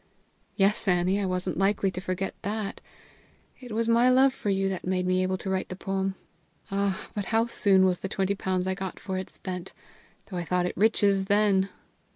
"Yes, Annie; I wasn't likely to forget that; it was my love for you that made me able to write the poem. Ah, but how soon was the twenty pounds I got for it spent, though I thought it riches then!"